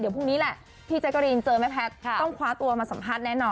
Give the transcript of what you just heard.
พรุ่งนี้แหละพี่แจ๊กกะรีนเจอแม่แพทย์ต้องคว้าตัวมาสัมภาษณ์แน่นอน